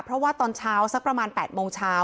เพราะว่าตอนเช้าสักประมาณ๘โมงเช้า